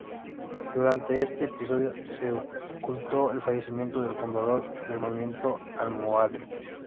Durante este tiempo, se ocultó el fallecimiento del fundador del movimiento almohade.